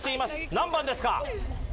何番ですか？